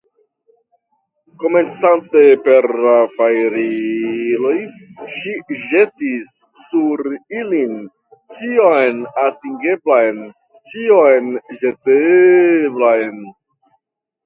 Komencante per la fajriloj, ŝi ĵetis sur ilin ĉion atingeblan, ĉion ĵeteblan.